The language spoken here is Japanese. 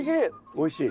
おいしい？